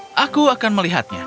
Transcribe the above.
tapi bagaimana cara menangkapnya